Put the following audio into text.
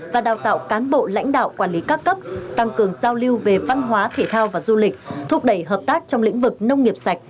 và đào tạo cán bộ lãnh đạo quản lý các cấp tăng cường giao lưu về văn hóa thể thao và du lịch thúc đẩy hợp tác trong lĩnh vực nông nghiệp sạch